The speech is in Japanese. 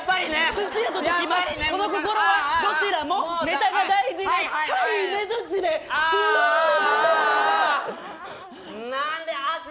その心はどちらもネタが大事です。